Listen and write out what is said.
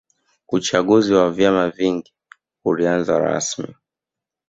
uchaguzi wa vyama vingi ulianza rasimi